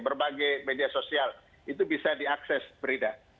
berbagai media sosial itu bisa diakses brida